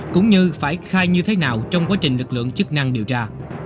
cũng như phải khai như thế nào trong quá trình lực lượng chức năng điều tra